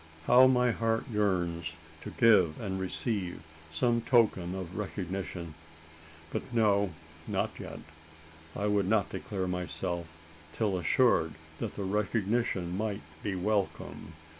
How my heart yearns to give and receive some token of recognition? But no not yet. I would not declare myself, till assured that that recognition might be welcome.